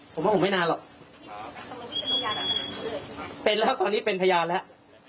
ผมว่าผมไม่นานหรอกเป็นแล้วตอนนี้เป็นพยานแล้ว